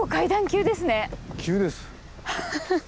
急です。